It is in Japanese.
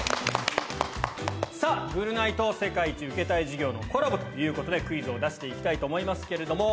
さぁ『ぐるナイ』と『世界一受けたい授業』のコラボということでクイズを出して行きたいと思いますけれども。